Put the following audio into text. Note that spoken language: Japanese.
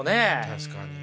確かに。